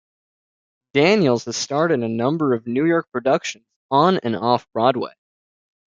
Daniels has starred in a number of New York productions, on and off Broadway.